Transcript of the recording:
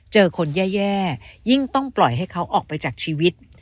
เจอคนแย่ยิ่งต้องปล่อยให้เขาออกไปจากชีวิต